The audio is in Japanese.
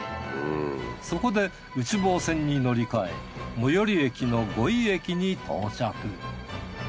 そこで内房線に乗り換え最寄り駅の五井駅に到着。